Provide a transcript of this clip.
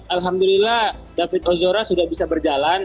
alhamdulillah david ozora sudah bisa berjalan